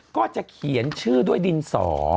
ก็จะเขียนชื่อด้วยดินสอ